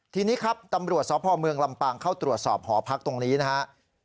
ทีนี้ครับตำรวจสพเมืองลำปางเข้าตรวจสอบหอพักตรงนี้นะครับ